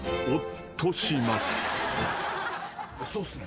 そうっすね。